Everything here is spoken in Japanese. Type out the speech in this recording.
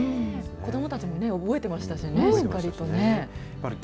子どもたちも覚えてましたしね、しっかりとね。